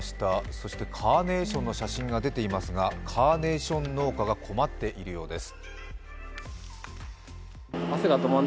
そしてカーネーションの写真が出ていますがカーネーション農家が困っているようです。